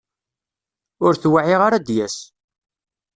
Ur t-wεiɣ ara ad d-yas.